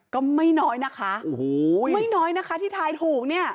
ก็ไม่น้อยนะคะโอ้โหไม่น้อยนะคะที่ทายถูกเนี่ย